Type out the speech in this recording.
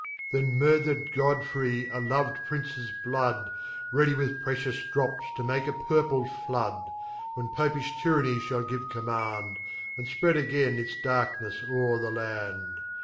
Then Then Murther'd Godfrey, a lovd Princes Mood, Ready with precious drops to make a purple flood. When Popijh Tyranny fhall give command, And fpread again its darknefs o're the Land.